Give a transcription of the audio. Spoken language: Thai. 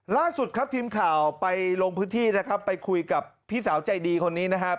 ล่าสุดครับทีมข่าวไปลงพื้นที่นะครับไปคุยกับพี่สาวใจดีคนนี้นะครับ